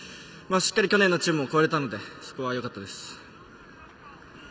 しっかり去年のチームを超えられたのでそこはよかったです。